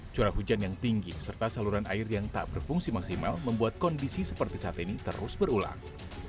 curah hujan yang tinggi serta saluran air yang tak berfungsi maksimal membuat kondisi seperti saat ini terus berulang